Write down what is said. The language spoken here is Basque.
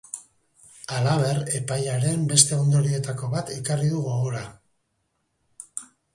Halaber, epaiaren beste ondorioetako bat ekarri du gogora.